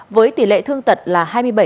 với tỷ lệ thương tật là hai mươi bảy